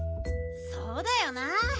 そうだよな。